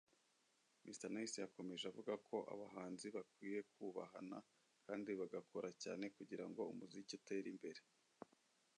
Mr Nice yakomeje avuga ko abahanzi bakwiye kubahana kandi bagakora cyane kugira ngo umuziki utere imbere